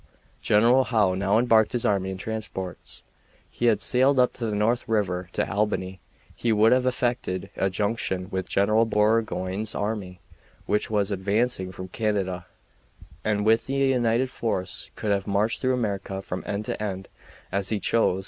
General Howe now embarked his army in transports. Had he sailed up the North River to Albany he would have effected a junction with General Burgoyne's army, which was advancing from Canada, and with the united force could have marched through America from end to end as he chose.